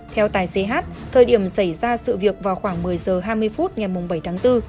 theo tài xế hát thời điểm xảy ra sự việc vào khoảng một mươi h hai mươi phút ngày bảy tháng bốn